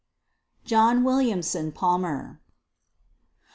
JOHN WILLIAMSON PALMER.